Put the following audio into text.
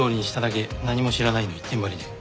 何も知らない」の一点張りで。